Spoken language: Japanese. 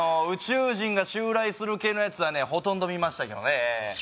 宇宙人が襲来する系のやつはねほとんど見ましたけどね